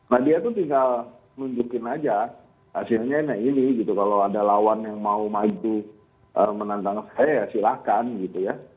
nah dia tuh tinggal nunjukin aja hasilnya nah ini gitu kalau ada lawan yang mau maju menantang saya ya silahkan gitu ya